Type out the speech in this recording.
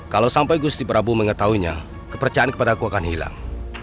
kalau sampai gusti prabu mengetahuinya kepercayaan kepada aku akan hilang